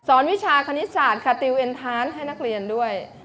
วิชาคณิตศาสตร์คาติวเอ็นทานให้นักเรียนด้วย